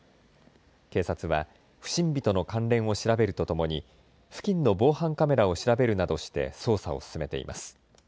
警察は不審火との関連を調べるとともに付近の防犯カメラを調べるなどして捜査を進めています。